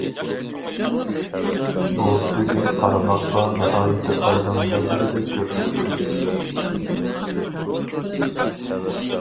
بۇ تۈگۈن قارىماققا ناھايىتى ئايدىڭ مەسىلىدەك كۆرۈنەتتى.